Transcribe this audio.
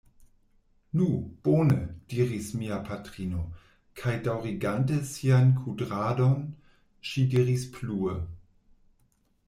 Nu, bone, diris mia patrino, kaj daŭrigante sian kudradon, ŝi diris plue: